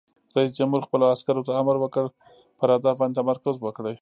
رئیس جمهور خپلو عسکرو ته امر وکړ؛ پر هدف باندې تمرکز وکړئ!